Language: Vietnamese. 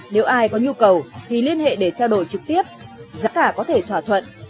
nếu ai có nhu cầu thì liên hệ để trao đổi trực tiếp giá cả có thể thỏa thuận